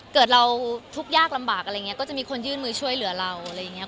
เกิดเราทุกข์ยากลำบากอะไรอย่างนี้ก็จะมีคนยื่นมือช่วยเหลือเราอะไรอย่างนี้